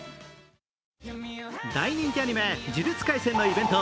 大人気アニメ「呪術廻戦」のイベント